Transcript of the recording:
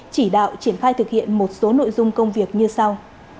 chỉ đạo triển khai thực hiện một số nội dung công việc như sau